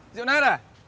ơ diệu nát à